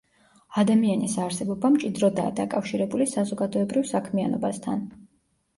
ადამიანის არსებობა მჭიდროდაა დაკავშირებული საზოგადოებრივ საქმიანობასთან.